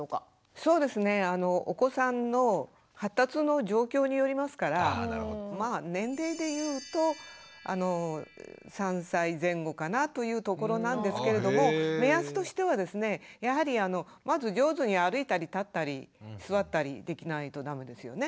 そうですねお子さんの発達の状況によりますからまあ年齢で言うと３歳前後かなというところなんですけれども目安としてはですねやはりまず上手に歩いたり立ったり座ったりできないと駄目ですよね。